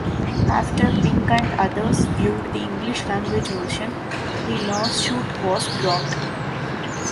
After Pink and others viewed the English-language version, the lawsuit was dropped.